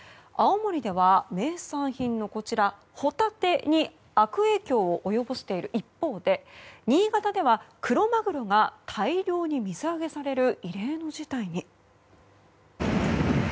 青森では名産品のホタテに悪影響を及ぼしている一方で新潟ではクロマグロが大量に水揚げされる異例の事態に。